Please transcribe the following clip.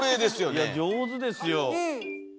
いや上手ですよ。